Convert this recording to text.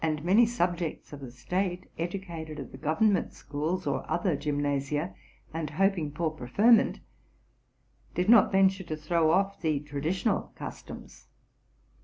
many subjects of the state, educated at the government schools or other gymnasia, and hoping for preferment, did not venture to throw off the traditional customs.